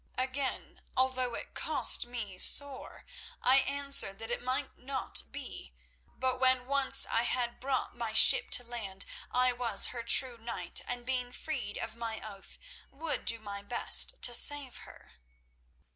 Again, although it cost me sore, I answered that it might not be, but when once I had brought my ship to land, I was her true knight, and being freed of my oath, would do my best to save her."